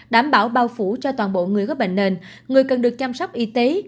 đảm bảo bao phủ cho toàn bộ người có bệnh nền người cần được chăm sóc y tế